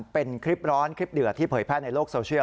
เป็นคลิปร้อนเพื่อเพ่อภาพในโลกโซเชียล